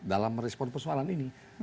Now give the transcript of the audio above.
dalam merespon persoalan ini